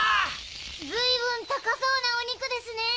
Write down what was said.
ずいぶん高そうなお肉ですね！